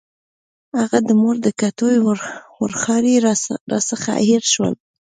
هغه د مور د کټوۍ ورخاړي راڅخه هېر شول.